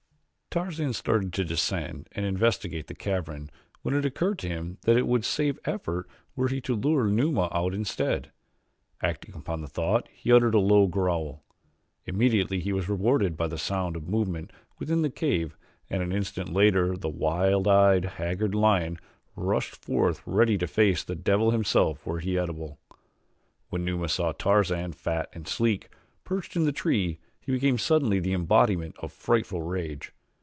Tarzan started to descend and investigate the cavern when it occurred to him that it would save effort were he to lure Numa out instead. Acting upon the thought he uttered a low growl. Immediately he was rewarded by the sound of a movement within the cave and an instant later a wild eyed, haggard lion rushed forth ready to face the devil himself were he edible. When Numa saw Tarzan, fat and sleek, perched in the tree he became suddenly the embodiment of frightful rage.